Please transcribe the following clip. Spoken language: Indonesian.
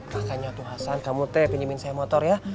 makanya tuh hasan kamu teh pinjamin saya motor ya